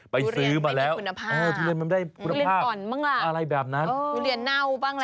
ไปซื้อมาแล้วทุเรียนไม่มีคุณภาพอะไรแบบนั้นทุเรียนเน่าบ้างเลย